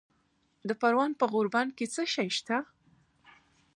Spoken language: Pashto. د پروان په غوربند کې څه شی شته؟